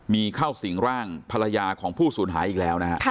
มีเข้าสิ่งร่างภรรยาของผู้สูญหายอีกแล้วนะฮะ